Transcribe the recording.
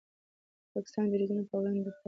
د پاکستاني بریدونو په وړاندې دفاع باید قوي شي.